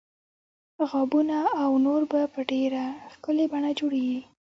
غابونه او نور په ډیره ښکلې بڼه جوړوي.